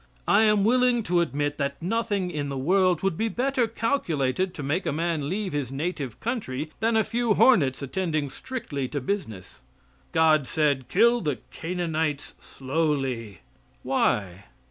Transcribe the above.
I am willing to admit that nothing in the world would be better calculated to make a man leave his native country than a few hornets attending strictly to business. God said "Kill the Canaanites slowly." Why?